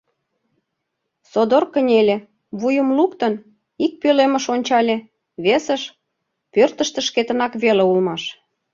Содор кынеле, вуйым луктын, ик пӧлемыш ончале, весыш — пӧртыштӧ шкетынак веле улмаш.